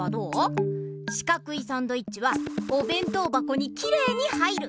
しかくいサンドイッチはおべん当ばこにきれいに入る！